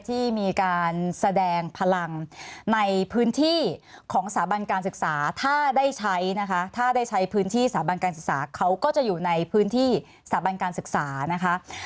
ที่มีการแสดงพลังในพื้นที่ของสถาบันการศึกษาถ้าได้ใช้นะคะถ้าได้ใช้พื้นที่สถาบันการศึกษาเขาก็จะอยู่ในพื้นที่สถาบันการศึกษานะคะ